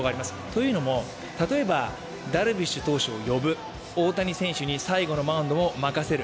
というのも、例えば、ダルビッシュ投手を呼ぶ、大谷選手に最後のマウンドを任せる。